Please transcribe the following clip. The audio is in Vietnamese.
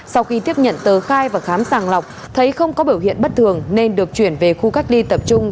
sau khi tiếp nhận tờ khai và khám sàng lọc thấy không có biểu hiện bất thường nên được chuyển về khu cách ly tập trung